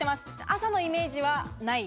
朝のイメージはない。